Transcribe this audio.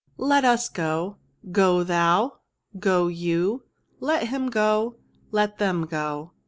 Let us go. Go thou. Go you. Let him go. Let thefia go.